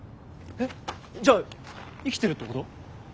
えっじゃあ生きてるってこと？